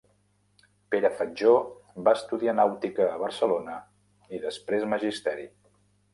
Pere Fatjó va estudiar nàutica a Barcelona i després Magisteri.